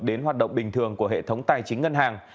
đến hoạt động bình thường của hệ thống tài chính ngân hàng